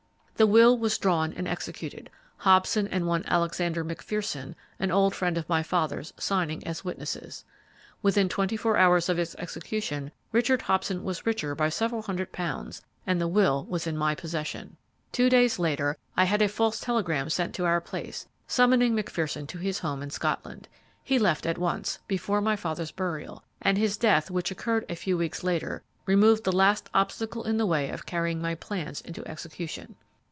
The will was drawn and executed, Hobson and one Alexander McPherson, an old friend of my father's, signing as witnesses. Within twenty four hours of its execution, Richard Hobson was richer by several hundred pounds, and the will was in my possession. Two days later, I had a false telegram sent to our place, summoning McPherson to his home in Scotland. He left at once, before my father's burial, and his death, which occurred a few weeks later, removed the last obstacle in the way of carrying my plans into execution.